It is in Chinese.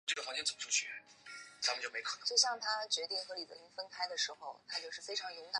持续针对危险建筑进行盘点